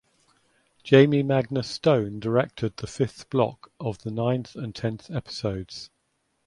Jamie Magnus Stone directed the fifth block of the ninth and tenth episodes.